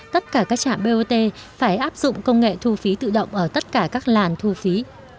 tất cả các trạm bot phải áp dụng công nghệ thu phí tự động ở tất cả các làn thu phí